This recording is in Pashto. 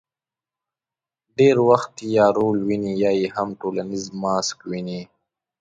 ډېر وخت یې یا رول ویني، یا یې هم ټولنیز ماسک ویني.